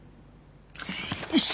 よし！